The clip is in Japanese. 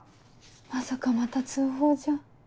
まさかまた通報じゃ。